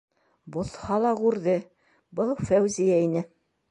Боҫһа ла күрҙе: был Фәүзиә ине.